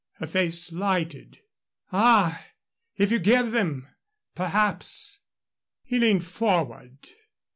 Her face lighted. "Ah. If you give them, perhaps " He leaned forward.